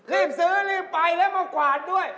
เรียบซื้อวัดไปแล้วกวาดด้วย